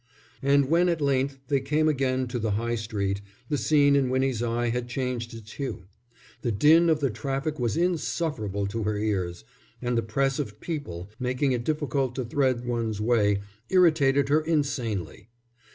And when at length they came again to the High Street, the scene in Winnie's eye had changed its hue. The din of the traffic was insufferable to her ears, and the press of people, making it difficult to thread one's way, irritated her insanely.